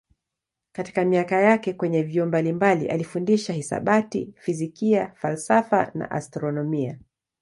Katika miaka yake kwenye vyuo mbalimbali alifundisha hisabati, fizikia, falsafa na astronomia.